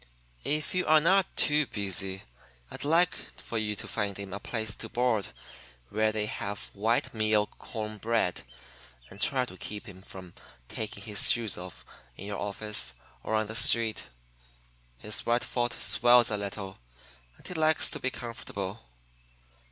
"'If you are not too busy, I'd like for you to find him a place to board where they have white meal corn bread, and try to keep him from taking his shoes off in your office or on the street. His right foot swells a little, and he likes to be comfortable.